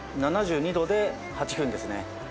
７２℃で８分ですね。